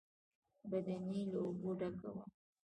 بدنۍ له اوبو ډکه وه.